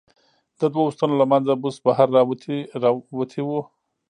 د دوو ستنو له منځه بوس بهر را وتي و.